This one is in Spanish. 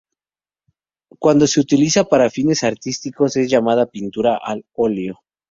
Cuando se la utiliza para fines artísticos es llamada pintura al óleo.